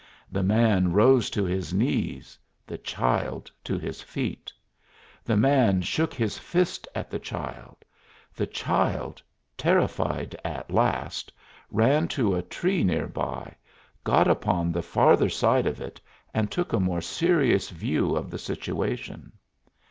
The man rose to his knees, the child to his feet. The man shook his fist at the child; the child, terrified at last, ran to a tree near by, got upon the farther side of it and took a more serious view of the situation.